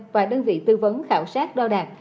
và đơn vị tư vấn khảo sát đo đạt